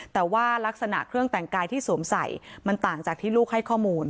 แต่ว่ารักษณะเครื่องแต่งกายที่สวมใส่มันต่างจากที่ลูกให้ข้อมูล